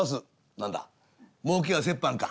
「何だ儲けは折半か？」。